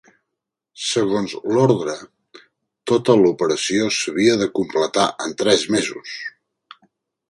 Segons l'ordre, tota l'operació s'havia de completar en tres mesos.